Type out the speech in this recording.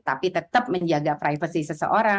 tapi tetap menjaga privasi seseorang